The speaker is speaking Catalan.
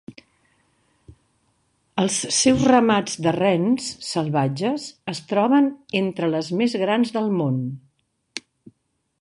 Els seus ramats de rens salvatges es troben entre les més grans del món.